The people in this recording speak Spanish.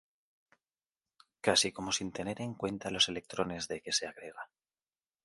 Casi como sin tener en cuenta los electrones D que se agrega.